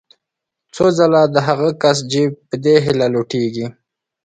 څو ځله د هغه کس جېب په دې هیله لوټېږي.